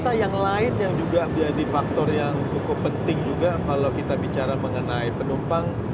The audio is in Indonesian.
rasa yang lain yang juga menjadi faktor yang cukup penting juga kalau kita bicara mengenai penumpang